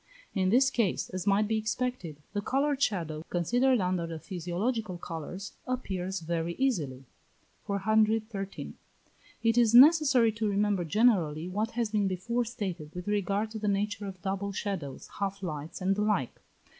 In this case, as might be expected, the coloured shadow, considered under the physiological colours, appears very easily. 413. It is necessary to remember, generally, what has been before stated with regard to the nature of double shadows, half lights, and the like.